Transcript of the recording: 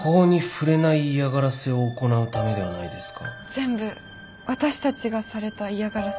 全部私たちがされた嫌がらせ。